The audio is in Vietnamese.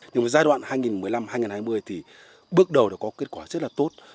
nhưng mà giai đoạn hai nghìn một mươi năm hai nghìn hai mươi thì bước đầu đã có kết quả rất là tốt